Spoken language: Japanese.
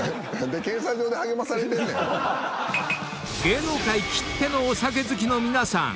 ［芸能界きってのお酒好きの皆さん